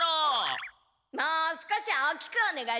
もう少し大きくおねがいします！